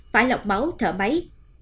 phải lọc máu thở máy